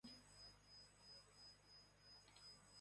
蒙泰通。